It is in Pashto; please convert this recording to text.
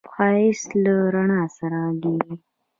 ښایست له رڼا سره غږېږي